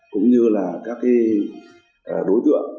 cũng như là các đối tượng